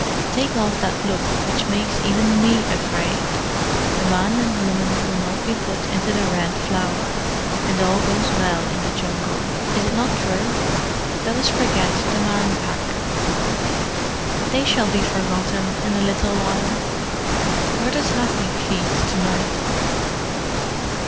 Take off that look which makes even me afraid! The man and woman will not be put into the Red Flower, and all goes well in the Jungle. Is it not true? Let us forget the Man Pack." "They shall be forgotten in a little while. Where does Hathi feed to night?"